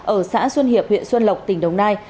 ở xã xuân hiệp huyện xuân lộc tỉnh đồng nai